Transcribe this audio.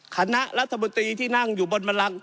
คณะรัฐมนตรีที่นั่งอยู่บนบันลัง